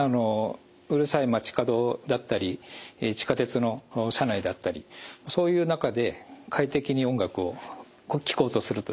うるさい街角だったり地下鉄の車内だったりそういう中で快適に音楽を聴こうとするとですね